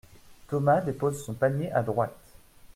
Thomas dépose son panier à droite.